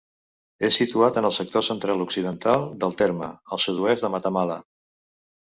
És situat en el sector central-occidental del terme, al sud-oest de Matamala.